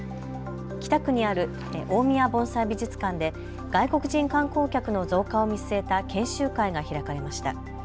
北区にある大宮盆栽美術館で外国人観光客の増加を見据えた研修会が開かれました。